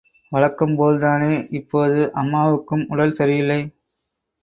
வழக்கம்போல்தானே இப்போது அம்மாவுக்கும் உடல் சரியில்லை.